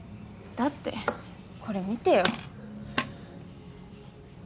だってこれ見てよ。